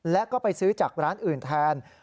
และก็ไปซื้อจากร้านอื่นแทน